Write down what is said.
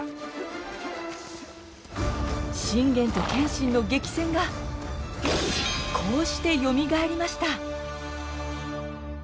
信玄と謙信の激戦がこうしてよみがえりました。